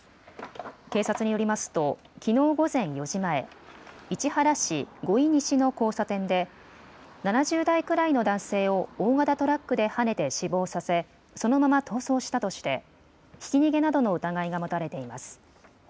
警察によりますときのう午前４時前、市原市五井西の交差点で７０代くらいの男性を大型トラックではねて死亡させそのまま逃走したとしてひき逃げなどの疑いが持たれています。